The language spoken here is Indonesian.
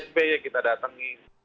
sby kita datang ke